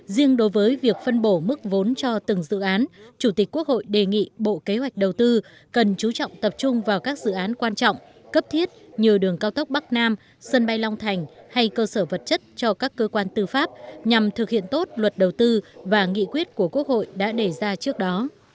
riêng đối với việc phân bổ mức vốn cho từng dự án chủ tịch quốc hội đề nghị bộ kế hoạch đầu tư cần chú trọng tập trung vào các dự án quan trọng cấp thiết như đường cao tốc bắc nam sân bay long thành hay cơ sở vật chất cho các cơ quan tư pháp nhằm thực hiện tốt luật đầu tư và nghị quyết của quốc hội đã đề ra trước đó